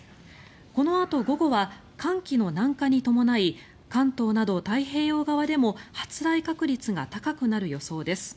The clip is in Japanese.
このあと午後は寒気の南下に伴い関東など太平洋側でも発雷確率が高くなる予想です。